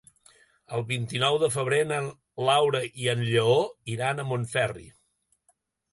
El vint-i-nou de febrer na Laura i en Lleó iran a Montferri.